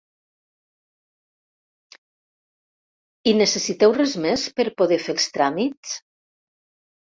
I necessiteu res més per poder fer els tràmits?